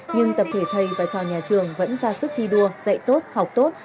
nhưng tập thể thầy và trò nhà trường vẫn ra sức thi đua dạy tốt học tốt